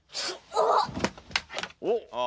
おっ！